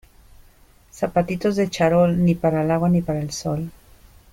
Zapatitos de charol, ni para el agua ni para el sol.